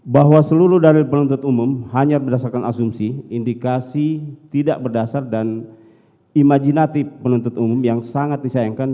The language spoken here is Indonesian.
bahwa seluruh dalil penuntut umum hanya berdasarkan asumsi indikasi tidak berdasar dan imajinatif penuntut umum yang sangat disayangkan